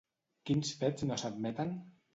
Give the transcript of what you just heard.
Quins fets no s'admeten?